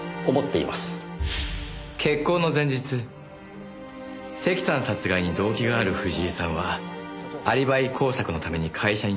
決行の前日関さん殺害に動機がある藤井さんはアリバイ工作のために会社に残り。